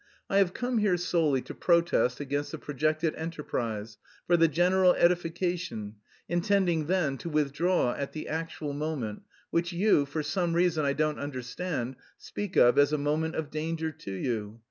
I have come here solely to protest against the projected enterprise, for the general edification, intending then to withdraw at the actual moment, which you, for some reason I don't understand, speak of as a moment of danger to you.